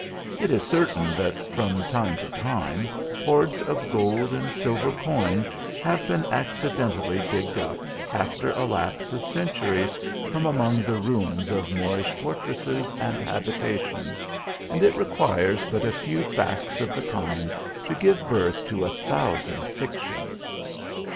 It is certain that, from time to time, hoards of gold and silver coin have been accidentally digged up, after a lapse of centuries, from among the ruins of Moorish fortresses and habitations, and it re quires but a few facts of the kind to give birth to a thousand fictions.